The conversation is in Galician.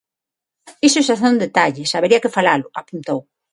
"Iso xa son detalles, habería que falalo", apuntou.